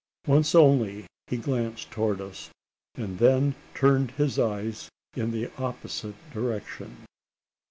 Once only he glanced towards us, and then turned his eyes in an opposite direction.